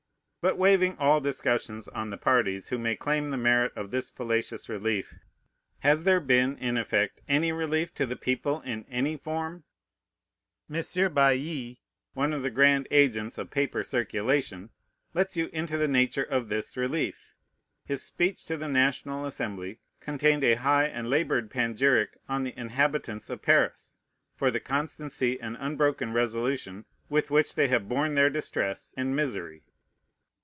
But waiving all discussion on the parties who may claim the merit of this fallacious relief, has there been, in effect, any relief to the people in any form? M. Bailly, one of the grand agents of paper circulation, lets you into the nature of this relief. His speech to the National Assembly contained a high and labored panegyric on the inhabitants of Paris, for the constancy and unbroken resolution with which they have borne their distress and misery.